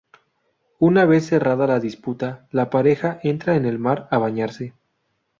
Una vez cerrada la disputa, la pareja entra en el mar a bañarse.